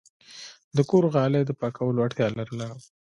د کور غالی د پاکولو اړتیا لرله.